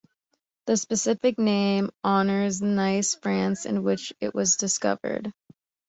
The specific name honors Nice, France, in which it was discovered.